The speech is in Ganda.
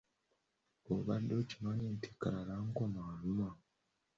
Obadde okimanyi nti kalalankoma aluma?